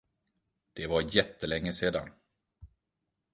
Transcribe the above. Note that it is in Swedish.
Det var jättelänge sedan.